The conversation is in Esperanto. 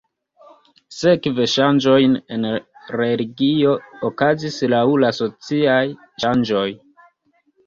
Sekve ŝanĝojn en religio okazis laŭ la sociaj ŝanĝoj.